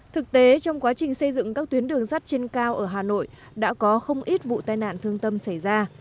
thực tế trong quá trình xây dựng các tuyến đường sắt trên cao ở hà nội đã có không ít vụ tai nạn thương tâm xảy ra